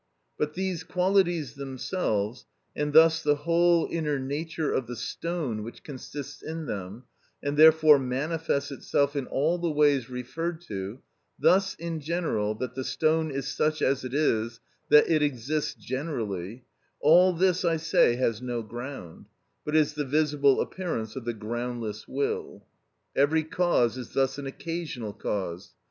But these qualities themselves, and thus the whole inner nature of the stone which consists in them, and therefore manifests itself in all the ways referred to; thus, in general, that the stone is such as it is, that it exists generally—all this, I say, has no ground, but is the visible appearance of the groundless will. Every cause is thus an occasional cause.